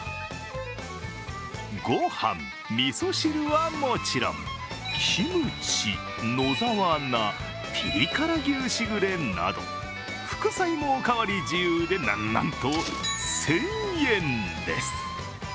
ご飯、みそ汁はもちろん、キムチ、野沢菜、ピリ辛牛しぐれなど副菜もおかわり自由でなんと１０００円です。